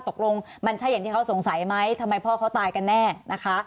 ตกลงมันใช่อย่างที่เขาสงสัยไหมทำไมพ่อเขาตายกันแน่นะคะ